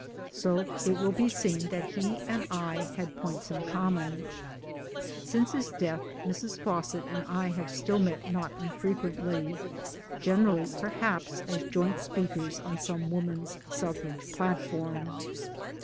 " So it will be seen that he and I had points in common ! Since his death Mrs. Fawcett and I have still met not unfrequently generally perhaps as joint speakers on some Women's Suffrage platform.